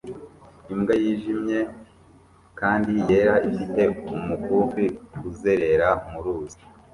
Imbwa yijimye kandi yera ifite umukufi uzerera mu ruzi